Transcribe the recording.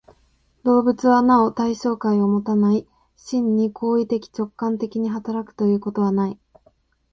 動物はなお対象界をもたない、真に行為的直観的に働くということはない。